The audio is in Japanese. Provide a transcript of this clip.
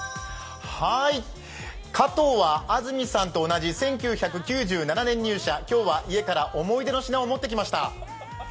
加藤は安住さんと同じ１９９７年入社、今日は家から思い出の品を持ってきました。